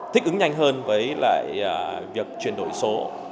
thích ứng nhanh hơn với việc chuyển đổi số